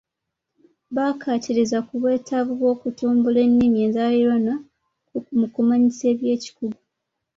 Baakatiriza ku bwetavu bwokutumbula ennimi enzaalirwana mu kumanyisa ebyekikugu.